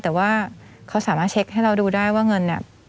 แต่ว่าเขาสามารถเช็คให้เราดูได้ว่าเงินเนี่ย